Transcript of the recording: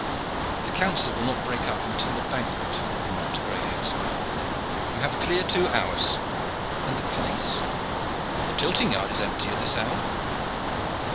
"The council will not break up until the banquet," remarked a gray haired squire. "You have a clear two hours." "And the place?" "The tilting yard is empty at this hour."